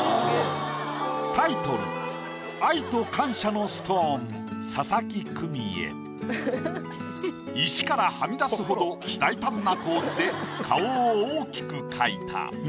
タイトル石からはみ出すほど大胆な構図で顔を大きく描いた。